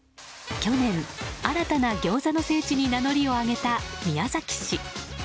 去年、新たなギョーザの聖地に名乗りを上げた宮崎市。